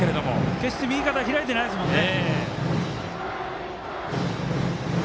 決して右肩が開いてないですもんね。